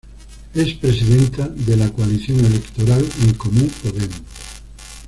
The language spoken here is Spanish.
Es presidenta de la coalición electoral En Comú Podem.